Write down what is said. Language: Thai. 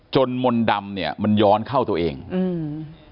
มนต์ดำเนี้ยมันย้อนเข้าตัวเองอืม